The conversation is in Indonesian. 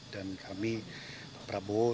dan kami pak prabowo